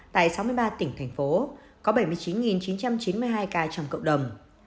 tại sáu mươi ba tỉnh thành phố có bảy mươi chín chín trăm chín mươi hai ca trong cộng đồng